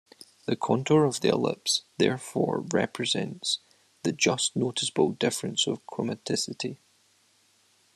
The contour of the ellipse therefore represents the just noticeable differences of chromaticity.